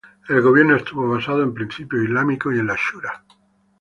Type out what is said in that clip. El gobierno estuvo basado en principios islámicos y en la shura.